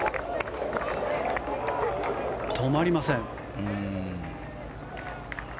止まりません。